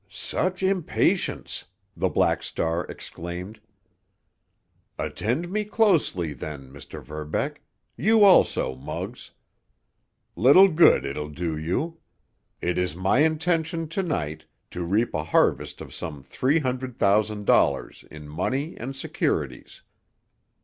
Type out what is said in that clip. "Such impatience!" the Black Star exclaimed. "Attend me closely, then, Mr. Verbeck—you also, Muggs. Little good it'll do you! It is my intention to night to reap a harvest of some three hundred thousand dollars in money and securities.